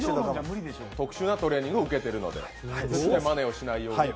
特殊なトレーニングを受けているので決してまねをしないようにと。